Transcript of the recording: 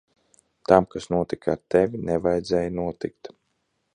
Tam, kas notika ar tevi, nevajadzēja notikt.